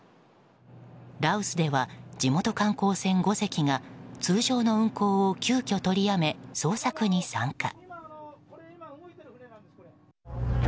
羅臼では、地元観光船５隻が通常の運航を急きょ取りやめ捜索に参加。